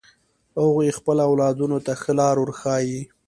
هغوی خپل اولادونو ته ښه لار ورښایی